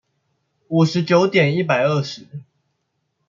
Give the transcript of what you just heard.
五十九點一百二十